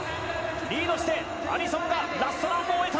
リードして、アリソンがラストランを終えた！